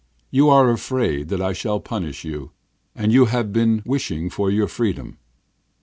You are afraid that I shall punish you, and you have been wishing for your freedom.